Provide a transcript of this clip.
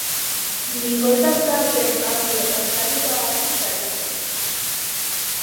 Mingostasuna duen azido oxalikoagatik datorkio.